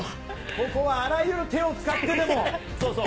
ここはあらゆる手を使ってでそうそう。